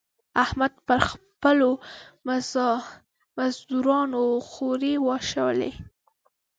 احمد پر خپلو مزدورانو خورۍ واېشولې.